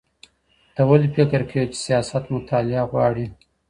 ته ولې فکر کوې چي سياست مطالعه غواړي؟